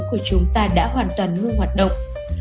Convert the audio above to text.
các tế bào tinh trùng của chúng ta đã hoàn toàn ngư hoạt động